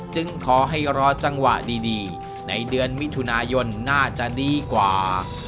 ขอให้รอจังหวะดีในเดือนมิถุนายนน่าจะดีกว่า